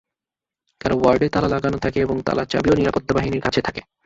কারা ওয়ার্ডে তালা লাগানো থাকে এবং তালার চাবিও নিরাপত্তাবাহিনীর কাছে থাকে।